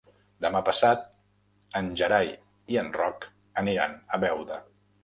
Demà passat en Gerai i en Roc aniran a Beuda.